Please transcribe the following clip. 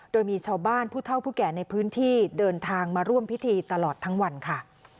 โดยมีชาวบ้านผู้เท่าผู้แก่ในพื้นที่เดินทางมาร่วมพิธีตลอดทั้งวันค่ะ